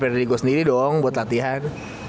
prepare di gue sendiri dong buat latihan